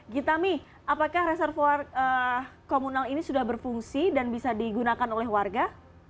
gita mi apakah reservoir komunal ini sudah berfungsi dan bisa digunakan oleh warga